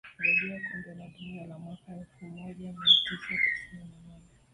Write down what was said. rejea kombe la dunia la mwaka elfu moja mia tisa tisini na nane